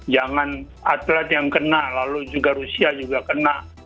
jangan atlet yang kena lalu juga rusia juga kena